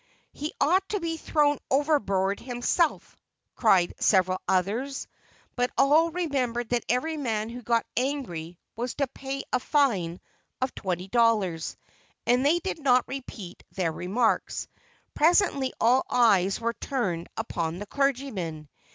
"He ought to be thrown overboard himself," cried several others; but all remembered that every man who got angry was to pay a fine of twenty dollars, and they did not repeat their remarks. Presently all eyes were turned upon the clergyman.